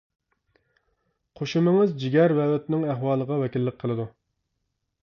قوشۇمىڭىز جىگەر ۋە ئۆتنىڭ ئەھۋالىغا ۋەكىللىك قىلىدۇ.